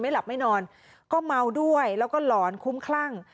หลับไม่นอนก็เมาด้วยแล้วก็หลอนคุ้มคลั่ง